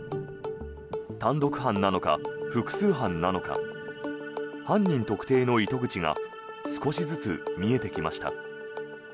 単独犯なのか、複数犯なのか犯人特定の糸口が少しずつ見えてきました。